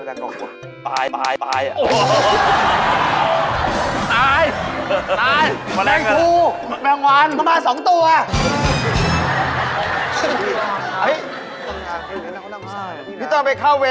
ผมจะบอกให้นะครับพี่ต้อง